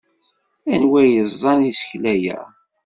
Anwa i yeẓẓan isekla-a?